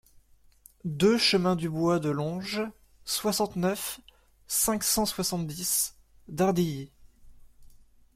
deux chemin du Bois de Longe, soixante-neuf, cinq cent soixante-dix, Dardilly